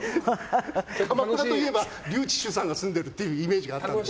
鎌倉といえば笠智衆さんが住んでるっていうイメージがあったんです。